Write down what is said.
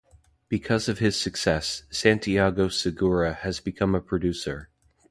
Because of his success, Santiago Segura has become a producer.